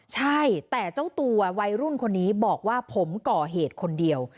ใช่แต่เจ้าตัววัยรุ่นคนนี้บอกว่าผมก่อเหตุคนเดียว